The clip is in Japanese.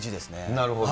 なるほど。